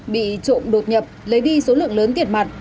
bị trộm đột nhập lấy đi số lượng lớn tiền mặt